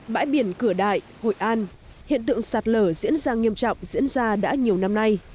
bãi biển cửa đại hội an hiện tượng sạt lở diễn ra nghiêm trọng diễn ra đã nhiều năm nay